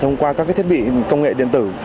thông qua các thiết bị công nghệ điện tử